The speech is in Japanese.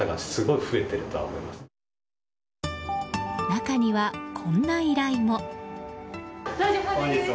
中には、こんな依頼も。